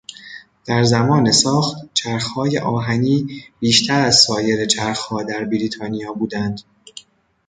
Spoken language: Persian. در زمان ساخت، چرخهای آهنی بیشتر از سایر چرخها در بریتانیا بودند.